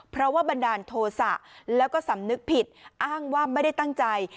เพราะว่าบันดาลโทษะแล้วก็สำนึกผิดอ้างว่าไม่ได้ตั้งใจ